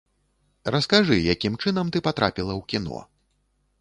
Раскажы, якім чынам ты патрапіла ў кіно?